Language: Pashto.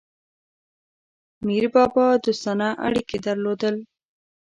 میربابا دوستانه اړیکي درلودل.